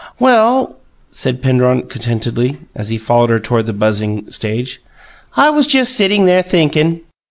"Well," said Penrod contentedly, as he followed her toward the buzzing stage, "I was just sitting there thinking."